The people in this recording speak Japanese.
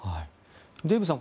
デーブさん